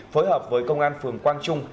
phối hợp với công an phường quang trung